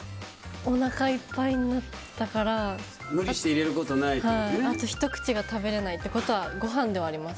おなかいっぱいになったからあとひと口が入らないってことはあります。